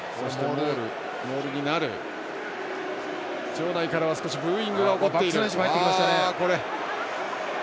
場内からはブーイングが起こっている。